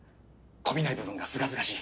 こびない部分がすがすがしい。